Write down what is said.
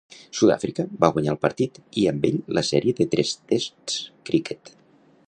Sudàfrica va guanyar el partit, i amb ell la sèrie de tres tests criquet.